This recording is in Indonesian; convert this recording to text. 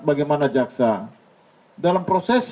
bagaimana jaksa dalam proses